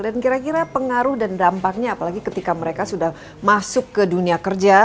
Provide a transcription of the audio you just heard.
dan kira kira pengaruh dan dampaknya apalagi ketika mereka sudah masuk ke dunia kerja